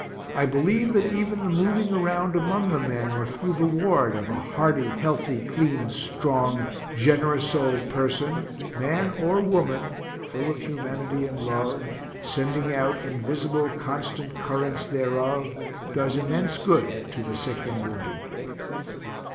I believe that even the moving around among the men, or through the ward, of a hearty, healthy, clean, strong, generous souled person, man or woman, full of humanity and love, sending out invisible, constant currents thereof, does immense good to the sick and wounded.